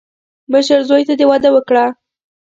مشر زوی ته دې واده وکړه.